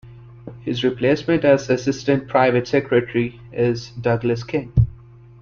His replacement as Assistant Private Secretary is Douglas King.